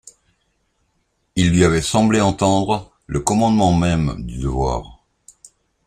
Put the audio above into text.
Il lui avait semblé entendre le commandement même du devoir.